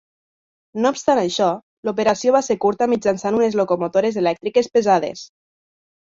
No obstant això, l'operació va ser curta mitjançant unes locomotores elèctriques pesades.